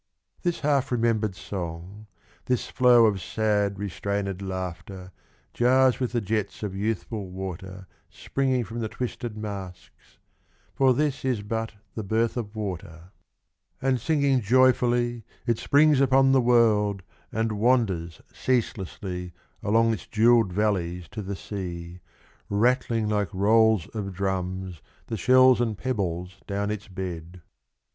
This half remembered song — This flow of sad restrained laughter Jars with the jets of youthful water Springing from the twisted masks, For this is but the birth of water; 45 Fountains. And singing joyfully It springs upon the world And wanders ceaselessly Along its jewelled valleys to the sea, Rattling like rolls of drums The shells and pebbles down its bed.